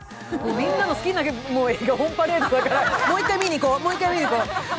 みんなの好きな映画のオンパレードだからもう一回見に行こう、もう一回、見に行こう。